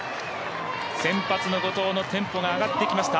先発の後藤のテンポが上がってきました。